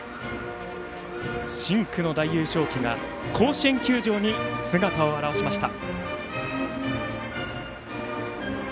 深紅の大優勝旗が甲子園球場に姿を現しました。